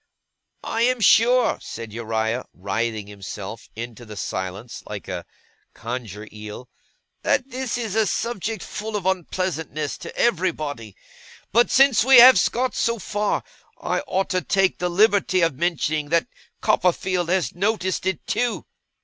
'I am sure,' said Uriah, writhing himself into the silence like a Conger eel, 'that this is a subject full of unpleasantness to everybody. But since we have got so far, I ought to take the liberty of mentioning that Copperfield has noticed it too.